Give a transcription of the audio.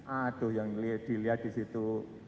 aduh yang dilihat di situ